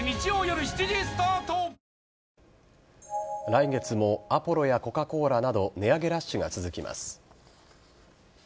来月もアポロやコカ・コーラなど値上げラッシュが続きます。